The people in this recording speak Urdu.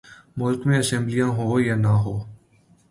ملک میں اسمبلیاں ہوں یا نہ ہوں۔